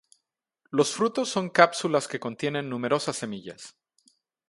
Los frutos son cápsulas que contienen numerosas semillas.